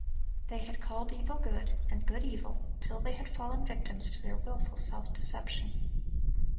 They had called evil good, and good evil, till they had fallen victims to their wilful self deception.